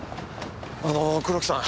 あの黒木さん。